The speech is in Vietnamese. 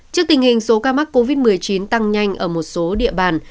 trước tình hình số ca mắc covid một mươi chín tăng nhanh ở một số địa bàn